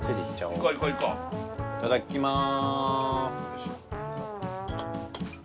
俺もいただきます。